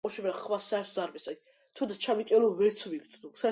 ედოს პერიოდის დროს იაპონურ ბაღებს საკუთარი იერსახე ჩამოუყალიბდათ.